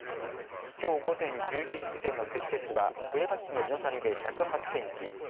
きょう午前１１時時点の積雪は富山市の猪谷で１０８センチ